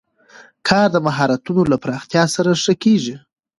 کار د مهارتونو له پراختیا سره ښه کېږي